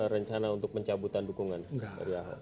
rencana untuk pencabutan dukungan dari ahok